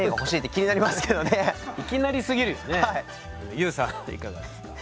ＹＯＵさんいかがですか？